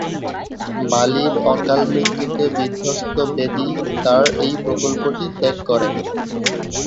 বালির অকাল মৃত্যুতে বিধ্বস্ত বেদী তাঁর এই প্রকল্পটি ত্যাগ করেন।